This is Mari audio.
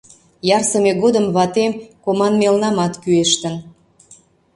Ярсыме годым ватем команмелнамат кӱэштын.